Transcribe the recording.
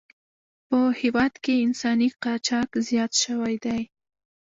په هېواد کې انساني قاچاق زیات شوی دی.